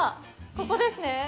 ここですね。